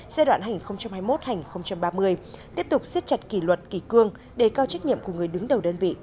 giai đoạn hành hai mươi một ba mươi tiếp tục xếp chặt kỳ luật kỳ cương đầy cao trách nhiệm của người đứng đầu đơn vị